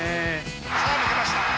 さあ抜けました。